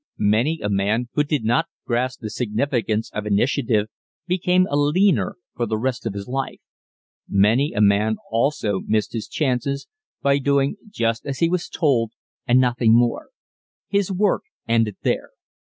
Many a man who did not grasp the significance of initiative became a "leaner" for the rest of his life. Many a man also missed his chances by doing just as he was told and nothing more. His work ended there.